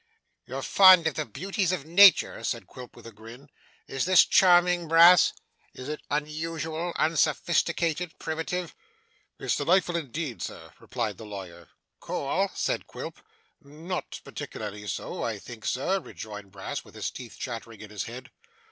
'You're fond of the beauties of nature,' said Quilp with a grin. 'Is this charming, Brass? Is it unusual, unsophisticated, primitive?' 'It's delightful indeed, sir,' replied the lawyer. 'Cool?' said Quilp. 'N not particularly so, I think, sir,' rejoined Brass, with his teeth chattering in his head.